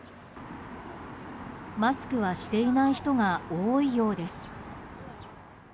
マスクはしていない人が多いようです。